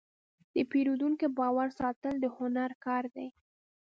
د پیرودونکي باور ساتل د هنر کار دی.